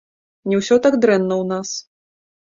Не ўсё так дрэнна ў нас.